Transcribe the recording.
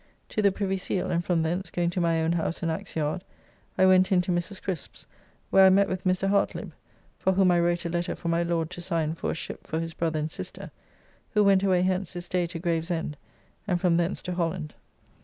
To the Privy Seal, and from thence going to my own house in Axeyard, I went in to Mrs. Crisp's, where I met with Mr. Hartlibb; for whom I wrote a letter for my Lord to sign for a ship for his brother and sister, who went away hence this day to Gravesend, and from thence to Holland.